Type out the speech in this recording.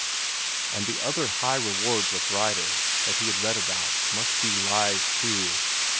And the other high rewards of writers, that he had read about, must be lies, too.